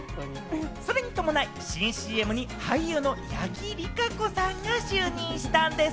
それに伴う新ＭＣに俳優の八木莉可子さんが就任したんです。